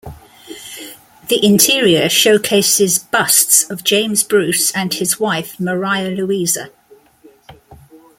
The interior showcases busts of James Bruce and his wife, Maria Louisa.